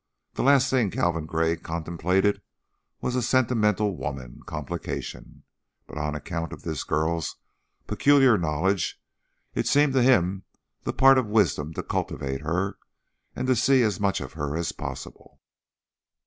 The last thing Calvin Gray contemplated was a sentimental woman complication, but on account of this girl's peculiar knowledge it seemed to him the part of wisdom to cultivate her to see as much of her as possible.